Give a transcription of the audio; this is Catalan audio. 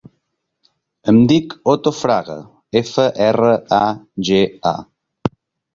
Em dic Otto Fraga: efa, erra, a, ge, a.